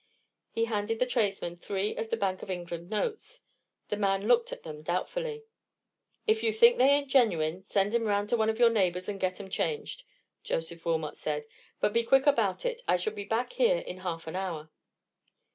He handed the tradesman three of the Bank of England notes. The man looked at them doubtfully. "If you think they ain't genuine, send 'em round to one of your neighbours, and get 'em changed," Joseph Wilmot said; "but be quick about it. I shall be back here in half an hour."